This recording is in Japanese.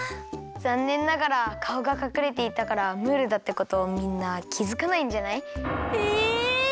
ざんねんながらかおがかくれていたからムールだってことみんなきづかないんじゃない？え！